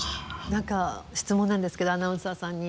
何か質問なんですけどアナウンサーさんに。